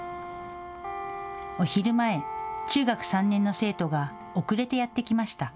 お昼前、中学３年の生徒が遅れてやって来ました。